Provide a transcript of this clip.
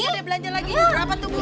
belanja deh belanja lagi berapa tuh bu